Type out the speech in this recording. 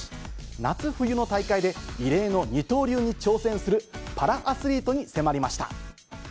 夏冬の大会で異例の二刀流に挑戦する、パラアスリートに迫りました。